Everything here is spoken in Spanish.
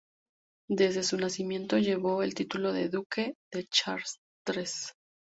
Desde su nacimiento, llevó el título de duque de Chartres.